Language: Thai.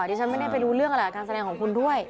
ดิฉันไม่ได้ไปรู้เรื่องอะไรกับการแสดงของคุณด้วย